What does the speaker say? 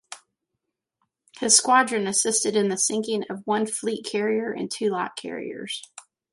His squadron assisted in the sinking of one fleet carrier and two light carriers.